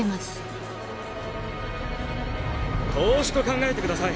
投資と考えてください。